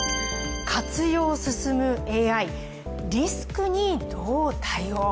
「活用進むＡＩ、リスクにどう対応？」